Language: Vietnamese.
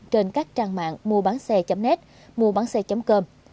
trên các trang mạng mua bán xe net mua bán xe cơm